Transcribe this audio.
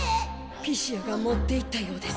ピシアが持っていったようです。